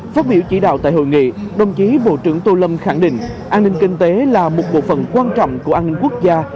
phát biểu chỉ đạo tại hội nghị đồng chí bộ trưởng tô lâm khẳng định an ninh kinh tế là một bộ phận quan trọng của an ninh quốc gia